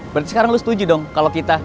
berarti sekarang lo setuju dong kalo kita